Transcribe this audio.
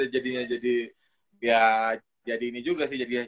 jadi ya jadi ini juga sih jadi apa ya